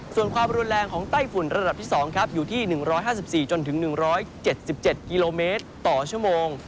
ส่วนความรุนแรงของไต้ฝุ่นระดับที่๒อยู่ที่๑๕๔จนถึง๑๗๗กิโลเมตรต่อชั่วโมง